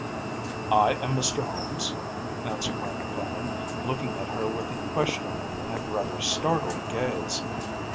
“I am Mr. Holmes,‚ÄĚ answered my companion, looking at her with a questioning and rather startled gaze.